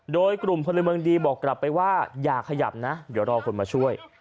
โดยกลุ่มพลเมืองดีบอกกลับไปว่าอย่าขยับนะเดี๋ยวรอคนมาช่วย